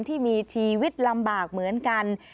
ที่มีชีวิตลำบากเหมือนกัน